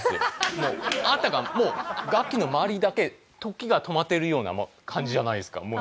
もうあたかももうガッキーの周りだけ時が止まってるような感じじゃないですかもう。